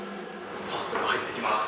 早速、入っていきます。